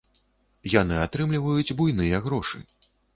Яны атрымліваюць буйныя грошы.